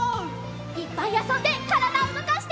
いっぱいあそんでからだをうごかしてね！